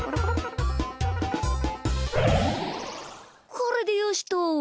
これでよしっと。